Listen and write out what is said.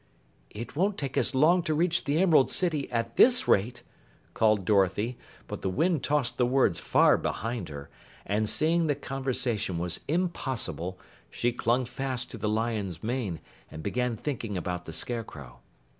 "It won't take us long to reach the Emerald City at this rate!" called Dorothy, but the wind tossed the words far behind her, and seeing that conversation was impossible, she clung fast to the lion's mane and began thinking about the Scarecrow.